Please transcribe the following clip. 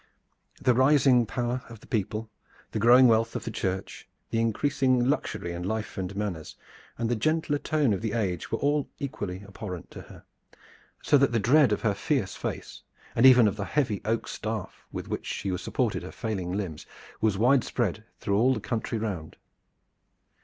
The rising power of the people, the growing wealth of the Church, the increasing luxury in life and manners, and the gentler tone of the age were all equally abhorrent to her, so that the dread of her fierce face, and even of the heavy oak staff with which she supported her failing limbs, was widespread through all the country round.